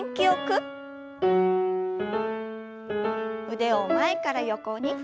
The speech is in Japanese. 腕を前から横に。